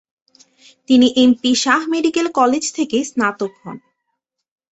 তিনি M P Shah medical college থেকে স্নাতক হন।